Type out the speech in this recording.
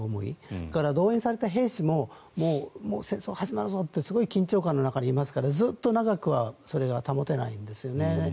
それから動員された兵士ももう戦争が始まるぞってすごい緊張感の中でいますからずっと長くはそれが保てないんですよね。